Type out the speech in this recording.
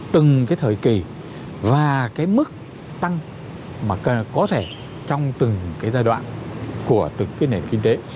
từng cái thời kỳ và cái mức tăng mà có thể trong từng cái giai đoạn của từng cái nền kinh tế